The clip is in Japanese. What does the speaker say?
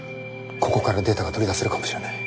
ここからデータが取り出せるかもしれない。